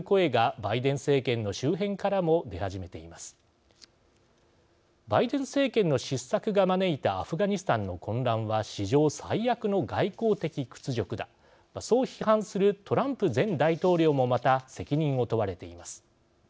バイデン政権の失策が招いたアフガニスタンの混乱は史上最悪の外交的屈辱だそう批判するトランプ前大統領もまた責任を問われています。